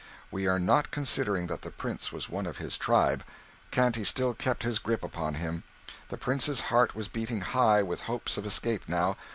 We are not considering that the Prince was one of his tribe; Canty still kept his grip upon him. The Prince's heart was beating high with hopes of escape, now.